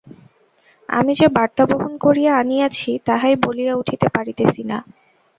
আমি যে বার্তা বহন করিয়া আনিয়াছি, তাহাই বলিয়া উঠিতে পারিতেছি না।